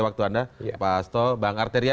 waktu anda pak asto bang arteria